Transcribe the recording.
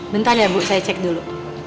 bentar ya bu saya cek dulu